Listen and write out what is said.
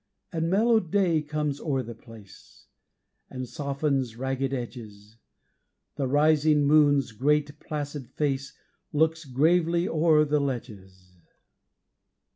And mellowed day comes o'er the place, And softens ragged edges; The rising moon's great placid face Looks gravely o'er the ledges.